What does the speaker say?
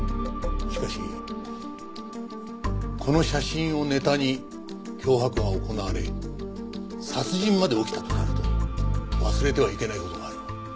しかしこの写真をネタに脅迫が行われ殺人まで起きたとなると忘れてはいけない事がある。